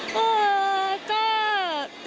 คนแซวเยอะจังไม่มีเนอะ